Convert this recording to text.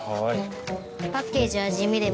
パッケージは地味で目立たぬ。